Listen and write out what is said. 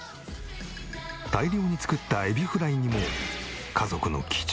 大量に作ったエビフライにも何？